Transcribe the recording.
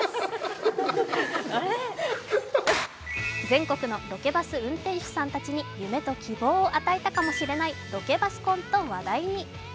全国のロケバス運転手さんたちに夢と希望を与えたかもしれないロケバス婚と話題に。